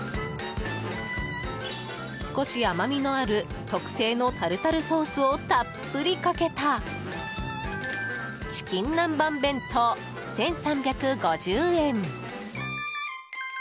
少し甘みのある特製のタルタルソースをたっぷりかけたチキン南蛮弁当、１３５０円。